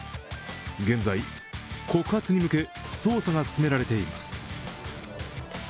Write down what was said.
現在、告発に向け捜査が進められています。